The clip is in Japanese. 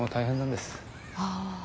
ああ。